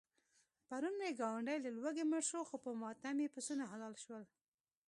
پرون مې ګاونډی له لوږې مړ شو، خو په ماتم یې پسونه حلال شول.